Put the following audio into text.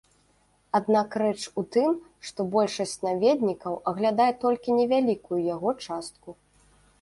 Аднак рэч у тым, што большасць наведнікаў аглядае толькі невялікую яго частку.